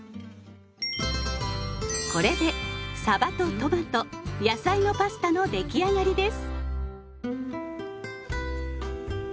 これで「さばとトマト、野菜のパスタ」の出来上がりです！